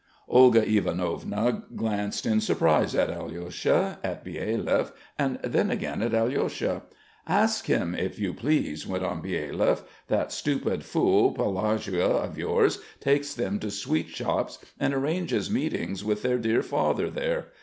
Olga Ivanovna glanced in surprise at Alyosha, at Byelyaev, and then again at Alyosha. "Ask him, if you please," went on Byelyaev. "That stupid fool Pelagueia of yours, takes them to sweet shops and arranges meetings with their dear father there.